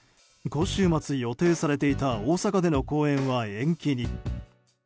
今週末予定されていた大阪での公演は延期に。